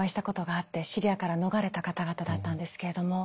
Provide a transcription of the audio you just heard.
シリアから逃れた方々だったんですけれども。